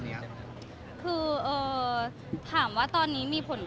มันเป็นปัญหาจัดการอะไรครับ